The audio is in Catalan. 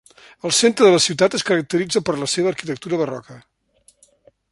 El centre de la ciutat es caracteritza per la seva arquitectura barroca.